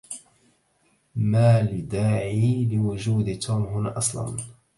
مالداعي لوجود توم هنا أصلا؟